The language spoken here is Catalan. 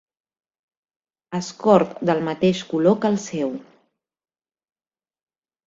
Escort del mateix color que el seu.